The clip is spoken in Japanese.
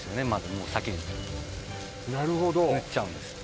もう先になるほど塗っちゃうんです